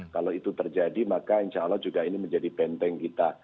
kalau itu terjadi maka insya allah juga ini menjadi benteng kita